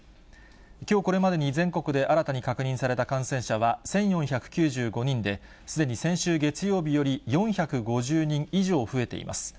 きょうこれまでに全国で新たに確認された感染者は１４９５人で、すでに先週月曜日より４５０人以上増えています。